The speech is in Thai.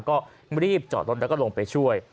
ก็รีบจอดรถแล้วก็ลงไปช่วย